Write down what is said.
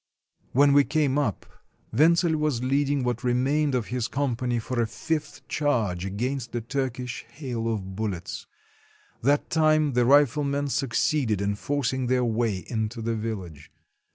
When we came up, Wentzel was leading what re mained of his company for a fifth charge against the Turkish hail of bullets. That time the riflemen suc ceeded in forcing their way into the village.